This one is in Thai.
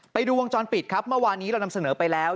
ไปดูวงจรปิดครับเมื่อวานี้เรานำเสนอไปแล้ว